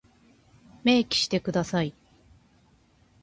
明記してください。